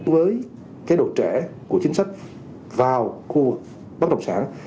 với độ trẻ của chính sách vào khu vực bất động sản